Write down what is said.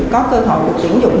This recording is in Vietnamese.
có cơ hội được chuyển dụng